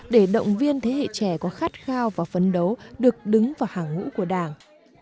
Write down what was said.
để động viên thế hệ trẻ có khát khao và phấn đấu được đứng vào hàng ngũ của đảng